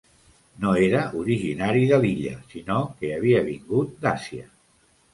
No era originari de l'illa, sinó que havia vingut d'Àsia.